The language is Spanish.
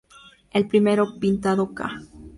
El primero, pintado ca.